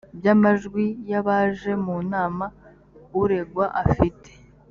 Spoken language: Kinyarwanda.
by amajwi y abaje mu nama uregwa afite